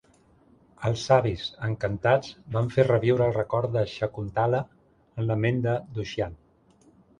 Els savis, encantats, van fer reviure el record de Shakuntala en la ment de Dushyant.